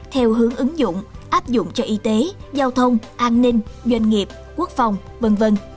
theo hướng ứng dụng áp dụng cho y tế giao thông an ninh doanh nghiệp quốc phòng v v